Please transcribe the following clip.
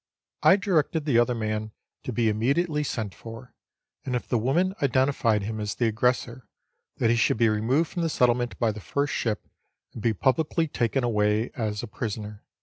I directed the other man to be immediately sent for, and if the woman identified him as the aggressor, that he should be removed from the settlement by the first ship, and be publicly taken away as a prisoner.